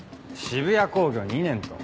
渋谷工業２年と。